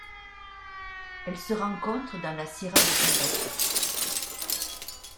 Elle se rencontre à dans la Sierra de Santa Cruz.